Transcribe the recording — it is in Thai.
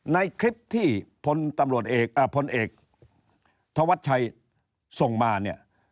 ในคลิปที่พลเอกเทาะวัดชัยส่งมาเนี่ย